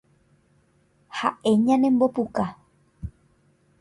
Ha'e ñanembopuka